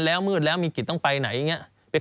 สำหรับสนุนโดยหวานได้ทุกที่ที่มีพาเลส